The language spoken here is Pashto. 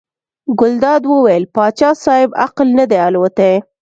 ګلداد وویل پاچا صاحب عقل نه دی الوتی.